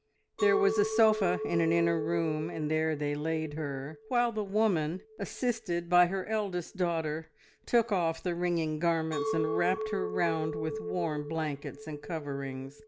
There was a sofa in an inner room, and there they laid her, while the woman, assisted by her eldest daughter, took off the wringing garments and wrapped her round with warm blankets and coverings.